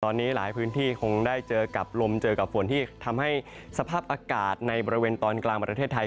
ตอนนี้หลายพื้นที่คงได้เจอกับลมเจอกับฝนที่ทำให้สภาพอากาศในบริเวณตอนกลางประเทศไทย